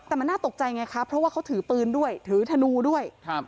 แต่มันน่าตกใจไงครับเพราะว่าเขาถือปืนด้วยถือธนูด้วย